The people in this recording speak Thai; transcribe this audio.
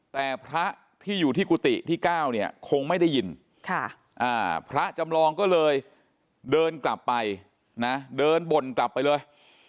แต่พระที่อยู่ที่กุฏิที่๙เนี่ยคงไม่ได้ยินพระจำลองก็เลยเดินกลับไปนะเดินบ่นกลับไปเลย